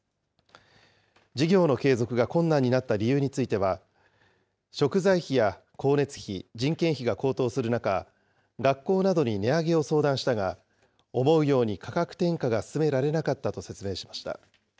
事業の継続が困難になった理由については、食材費や光熱費、人件費が高騰する中、学校などに値上げを相談したが、思うように価格転嫁が進められなかったと説明しました。